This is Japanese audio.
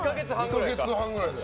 ２か月半ぐらいか。